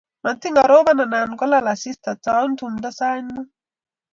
Matiny koropon anan kolal asista, taun tumndo sait mut.